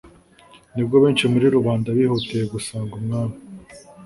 ni bwo benshi muri rubanda bihutiye gusanga umwami